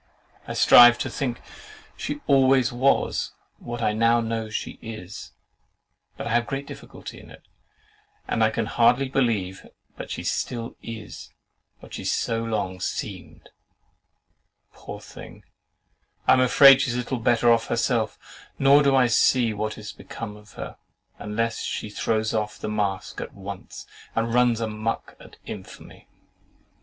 I strive to think she always was what I now know she is; but I have great difficulty in it, and can hardly believe but she still IS what she so long SEEMED. Poor thing! I am afraid she is little better off herself; nor do I see what is to become of her, unless she throws off the mask at once, and RUNS A MUCK at infamy.